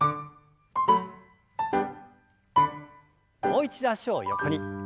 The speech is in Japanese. もう一度脚を横に。